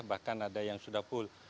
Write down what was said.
bahkan ada yang sudah full